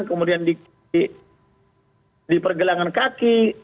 kemudian dipergelangan kaki